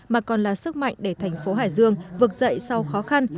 mà còn là sức mạnh để thành phố hải dương vực dậy sau khó khăn